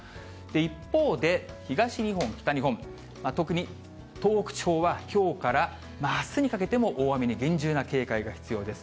一方で、東日本、北日本、特に東北地方は、きょうからあすにかけても、大雨に厳重な警戒が必要です。